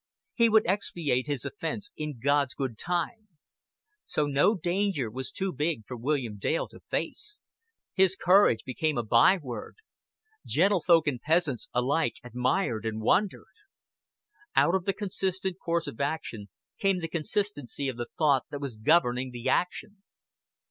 He would expiate his offense in God's good time. So no danger was too big for William Dale to face; his courage became a byword; gentlefolk and peasants alike admired and wondered. Out of the consistent course of action came the consistency of the thought that was governing the action.